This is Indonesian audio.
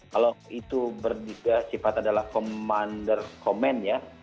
kalau itu berdiga sifat adalah commander command ya